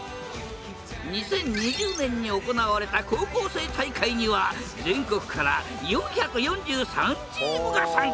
２０２０年に行われた高校生大会には全国から４４３チームが参加！